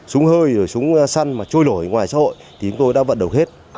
súng hơi súng săn mà trôi lổi ngoài xã hội thì chúng tôi đã vận động hết